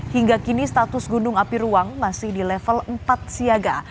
hingga kini status gunung api ruang masih di level empat siaga